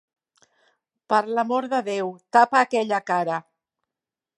Per l'amor de Déu, tapa aquella cara!